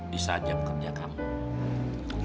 di saat jam kerja kamu